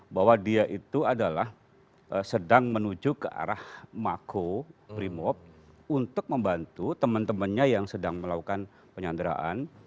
bahwa dia itu adalah sedang menuju ke arah mako brimob untuk membantu teman temannya yang sedang melakukan penyanderaan